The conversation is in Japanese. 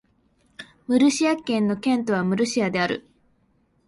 ムルシア県の県都はムルシアである